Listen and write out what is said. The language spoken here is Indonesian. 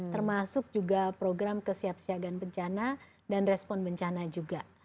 termasuk juga program kesiapsiagaan bencana dan respon bencana juga